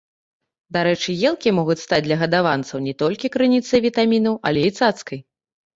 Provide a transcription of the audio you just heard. Дарэчы, елкі могуць стаць для гадаванцаў не толькі крыніцай вітамінаў, але і цацкай.